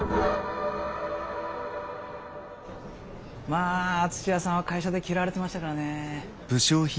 まあ土屋さんは会社で嫌われてましたからねえ。